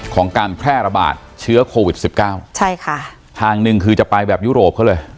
การแพร่ระบาดเชื้อโควิดสิบเก้าใช่ค่ะทางหนึ่งคือจะไปแบบยุโรปเขาเลย